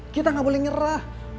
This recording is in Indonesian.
kita gak boleh nyerah